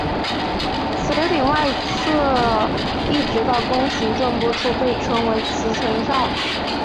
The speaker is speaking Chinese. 磁层顶外侧一直到弓形震波处被称磁层鞘。